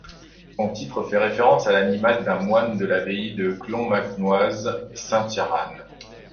Son titre fait référence à l’animal d’un moine de l’abbaye de Clonmacnoise, Saint Ciarán.